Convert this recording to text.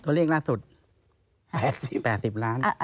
ตัวเลขหน้าสุด๘๐ล้าน